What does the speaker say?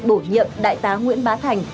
bổ nhiệm đại tá nguyễn bá thành